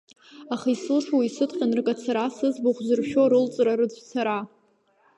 Аха исылшоу исыдҟьан ркацара, сыӡбахә зыршо рылҵра, рыцәцара?